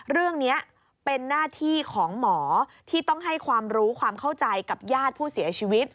เรื่องนี้เป็นหน้าที่ของหมอที่ต้องให้ความรู้ความเข้าใจกับญาติผู้เสียชีวิต